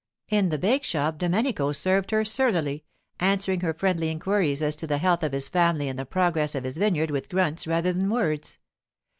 In the bake shop Domenico served her surlily, answering her friendly inquiries as to the health of his family and the progress of his vineyard with grunts rather than words.